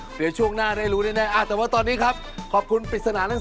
พี่ใจค่ะไหมเลข๒